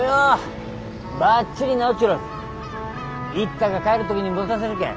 一太が帰る時に持たせるけん。